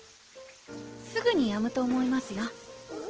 すぐにやむと思いますよ